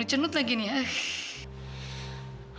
icenut lagi nih eh